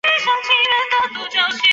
何无忌的儿子。